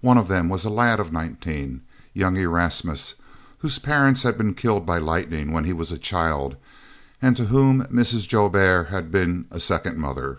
One of them was a lad of nineteen, young Erasmus, whose parents had been killed by lightning when he was a child, and to whom Mrs. Joubert had been a second mother.